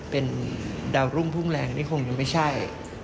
เป็นดาวรุ่งพุ่งแรงนี่คงยังไม่ใช่